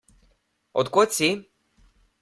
Od kod si?